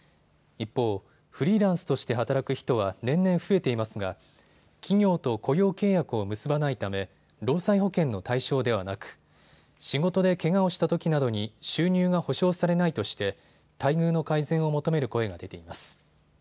一方、フリーランスとして働く人は年々増えていますが企業と雇用契約を結ばないため労災保険の対象ではなく仕事でけがをしたときなどに収入が補償されないとして待遇の改善を求める声が出ています。